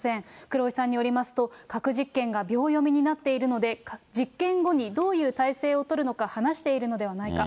黒井さんによりますと、核実験が秒読みになっているので、実験後にどういう態勢をとるのか、話しているのではないか。